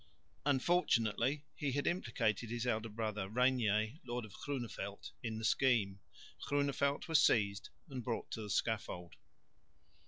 Unfortunately he had implicated his elder brother, Regnier, lord of Groeneveldt, in the scheme. Groeneveldt was seized and brought to the scaffold.